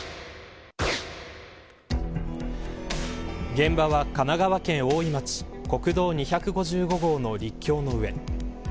現場は神奈川県大井町国道２５５号の陸橋の上。